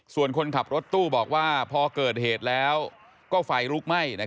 ส่วนคนขับรถตู้บอกว่าพอเกิดเหตุแล้วก็ไฟลุกไหม้